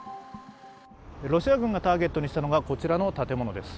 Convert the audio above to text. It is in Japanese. ロシア軍がターゲットにしたのが、こちらの建物です。